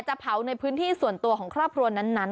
จะเผาในพื้นที่ส่วนตัวของครอบครัวนั้น